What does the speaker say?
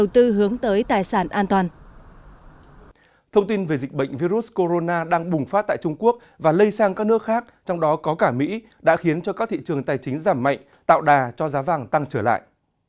thông tin về dịch bệnh virus corona đang bùng phát tại trung quốc và lây sang các nước khác trong đó có cả mỹ đã khiến cho các thị trường tài chính giảm mạnh tạo đà cho giá vàng tăng trở lại